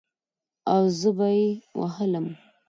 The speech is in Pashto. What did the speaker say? او زه به يې ووهلم.